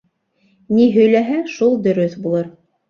Ни һөйләһә, шул дөрөҫ булыр.